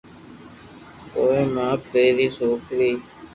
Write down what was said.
پوءِ مان پهرين سوڪري